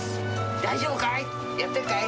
大丈夫かい？